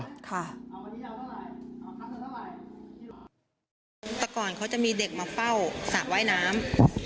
แต่ก่อนเขาจะมีเด็กมาเฝ้าสระว่ายน้ำ